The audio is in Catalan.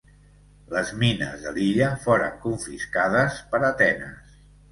Les mines de l'illa foren confiscades per Atenes.